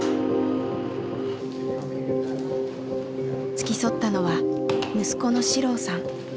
付き添ったのは息子の史郎さん。